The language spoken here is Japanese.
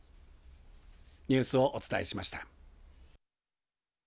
ニュースをお伝えしました。